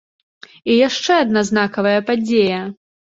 І яшчэ адна знакавая падзея.